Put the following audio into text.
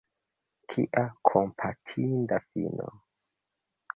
Kia kompatinda fino!